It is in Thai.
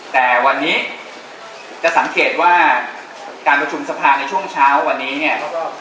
แต่วันนี้จะสังเกตว่าการประชุมสภาในช่วงเช้าวันนี้เนี่ย